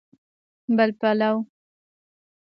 بل پلو